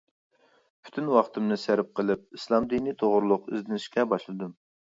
پۈتۈن ۋاقتىمنى سەرپ قىلىپ، ئىسلام دىنى توغرۇلۇق ئىزدىنىشكە باشلىدىم.